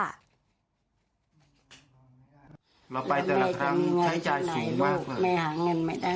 เราไปแต่ละครั้งใช้จ่ายสูงมากไม่หาเงินไม่ได้